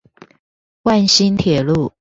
萬新鐵路